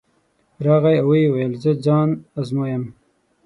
راغی او ویې ویل زه ځان ازمایم.